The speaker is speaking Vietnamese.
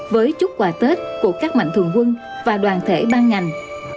với chúc quà tết của các mạnh thường quân và đoàn thể ban ngành